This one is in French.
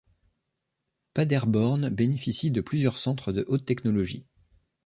Paderborn bénéficie de plusieurs centres de haute technologie.